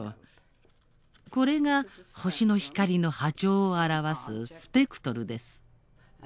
これが星の光の波長を表すスペクトルです。